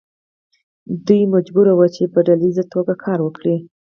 دوی مجبور وو چې په ډله ایزه توګه کار وکړي.